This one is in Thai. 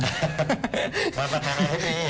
มาประธานาธิบดี